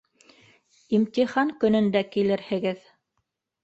— Имтихан көнөндә килерһегеҙ.